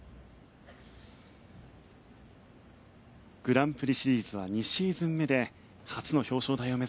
グランプリシリーズは２シーズン目で初の表彰台を目指します